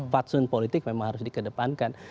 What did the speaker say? fatsun politik memang harus dikedepankan